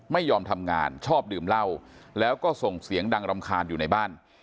ไม่ยอมทำงานชอบดื่มเหล้าแล้วก็ส่งเสียงดังรำคาญอยู่ในบ้าน